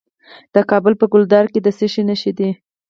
د کابل په ګلدره کې د څه شي نښې دي؟